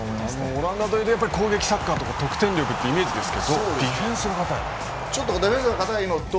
オランダといえば攻撃サッカーとか得点力というイメージですがディフェンスが堅いと。